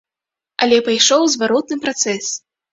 Але пайшоў зваротны працэс.